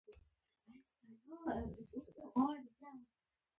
سپی مې داسې په مینه خپلې سترګې غړوي لکه د کومې نوې مینې پیل.